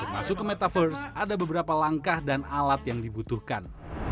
masuk ke metaverse ada beberapa langkah dan alat yang dibutuhkan